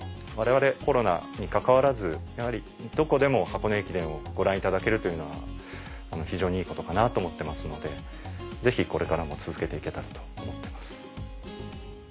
我々コロナにかかわらずやはりどこでも箱根駅伝をご覧いただけるというのは非常にいいことかなと思ってますのでぜひこれからも続けて行けたらと思ってます。